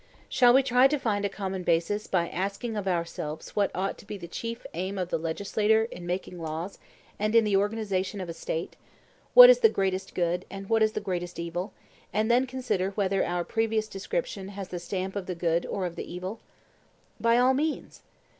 Shall we try to find a common basis by asking of ourselves what ought to be the chief aim of the legislator in making laws and in the organization of a State,—what is the greatest good, and what is the greatest evil, and then consider whether our previous description has the stamp of the good or of the evil? By all means.